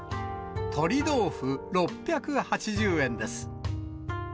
とり豆腐６８０円です。